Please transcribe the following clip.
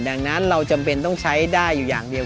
ดังนั้นเราจำเป็นต้องใช้ได้อยู่อย่างเดียว